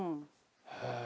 へえ。